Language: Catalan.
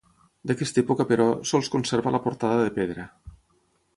D'aquesta època, però, sols conserva la portada de pedra.